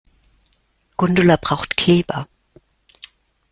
Gundula braucht Kleber.